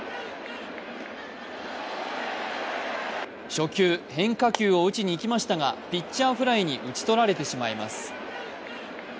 初球、変化球を打ちにいきましたがピッチャーフライに打ち取られてしまいます。